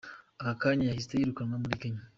Ako kanya yahise yirukanwa muri Kenya.